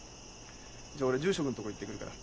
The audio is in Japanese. じゃあ俺住職んところ行ってくるから。